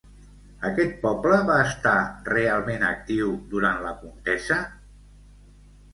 Aquest poble va estar realment actiu durant la contesa?